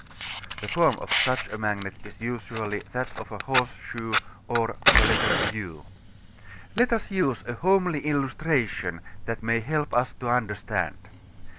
(The form of such a magnet is usually that of a horse shoe, or U.) Let us use a homely illustration that may help us to understand.